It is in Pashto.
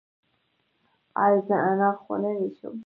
ایا زه انار خوړلی شم؟